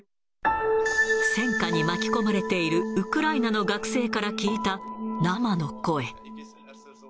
戦渦に巻き込まれているウクライナの学生から聞いた生の声。